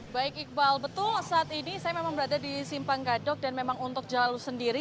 baik iqbal betul saat ini saya memang berada di simpang gadok dan memang untuk jalur sendiri